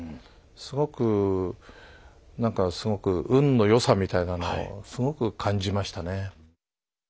すごくなんかすごく運の良さみたいなのをすごく感じましたね。